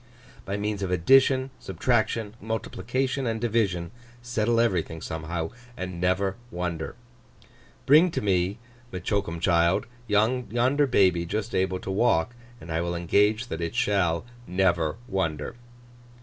By means of addition, subtraction, multiplication, and division, settle everything somehow, and never wonder. Bring to me, says M'Choakumchild, yonder baby just able to walk, and I will engage that it shall never wonder.